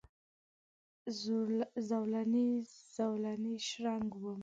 زولنې، زولنې شرنګ وم